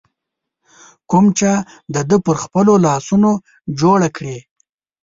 کوم چا د ده پر خپلو لاسونو جوړه کړې